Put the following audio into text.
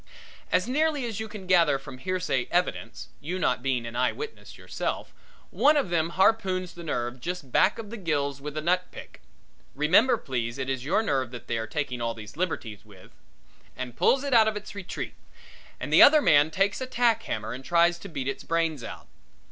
As nearly as you can gather from hearsay evidence, you not being an eye witness yourself, one of them harpoons the nerve just back of the gills with a nutpick remember please it is your nerve that they are taking all these liberties with and pulls it out of its retreat and the other man takes a tack hammer and tries to beat its brains out.